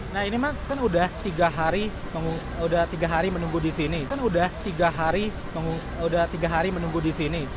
nah ini mas kan sudah tiga hari menunggu di sini